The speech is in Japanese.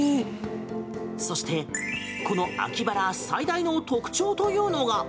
そして、この秋バラ最大の特徴というのが。